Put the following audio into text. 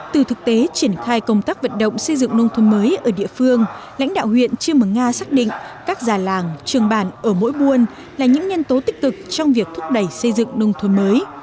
từ thực tế triển khai công tác vận động xây dựng nông thuần mới ở địa phương lãnh đạo huyện trường nga xác định các già làng trường bàn ở mỗi buôn là những nhân tố tích cực trong việc thúc đẩy xây dựng nông thuần mới